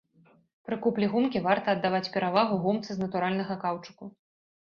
Пры куплі гумкі варта аддаваць перавагу гумцы з натуральнага каўчуку.